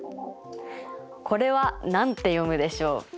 これは何て読むでしょう？